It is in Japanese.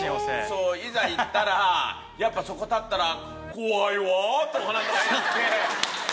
いざ行ったらやっぱそこ立ったら。とか何とか言って。